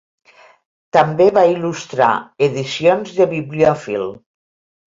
També va il·lustrar edicions de bibliòfil.